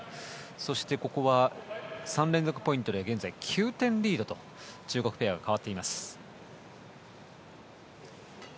そして、ここは３連続ポイントで現在、９点リードと中国ペアは、変わっています。